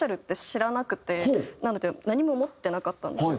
なので何も持ってなかったんですよ。